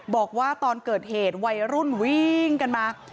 บอกว่าตอนเกิดเหตุวัยรุ่นวิ่งกันมา